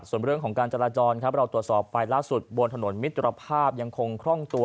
ส่วนเรื่องของการจราจรครับเราตรวจสอบไปล่าสุดบนถนนมิตรภาพยังคงคล่องตัว